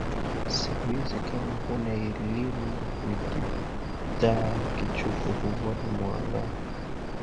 Siku hidhi kama huna ilimu ni kidha kichupu huvoni muangaa.